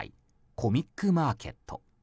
コミックマーケット